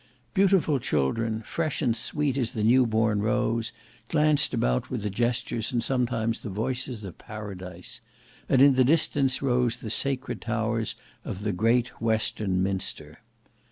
Beautiful children, fresh and sweet as the new born rose, glanced about with the gestures and sometimes the voices of Paradise. And in the distance rose the sacred towers of the great Western Minster.